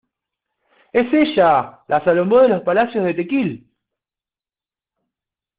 ¡ es ella, la Salambó de los palacios de Tequil!...